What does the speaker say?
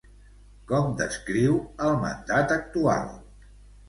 Com descriu el mandat actual?